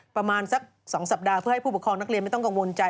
ประมาณสัก๒สัปดาห์เพื่อให้ผู้ปกครองนักเรียนไม่ต้องกังวลใจ